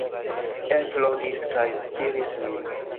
Eĉ logis kaj tiris min.